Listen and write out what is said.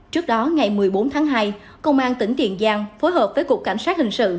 trước đó ngày một mươi bốn tháng hai công an tỉnh tiền giang phối hợp với cục cảnh sát hình sự